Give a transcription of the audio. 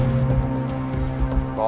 tidak ada yang bisa dihukum